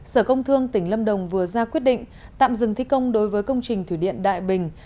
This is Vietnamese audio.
sở công thương tỉnh lâm đồng vừa ra quyết định tạm dừng thi công đối với công trình thủy điện đại bình